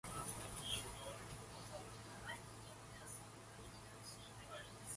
Visually she was inspired by the then popular movie star Rita Hayworth.